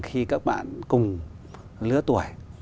khi các bạn cùng lứa tuổi